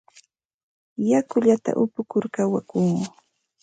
Yakullata upukur kawakuu.